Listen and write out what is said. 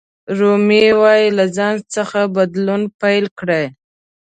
رومي وایي له ځان څخه بدلون پیل کړئ.